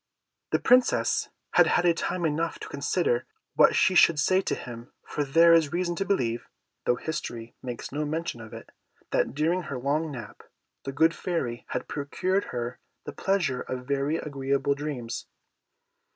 The Princess had had time enough to consider what she should say to him, for there is reason to believe (though history makes no mention of it) that, during her long nap, the good Fairy had procured her the pleasure of very agreeable dreams.